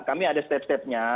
kami ada step stepnya